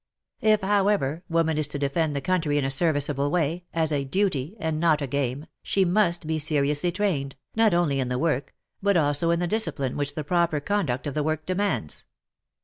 If, however, woman is to defend the country in a serviceable way, as a duty and not a game, she must be seriously trained, not only in the work, but also in the discipline which the proper conduct of the work demands.